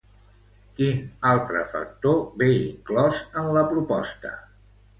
Quin altre factor ve inclòs en la proposta?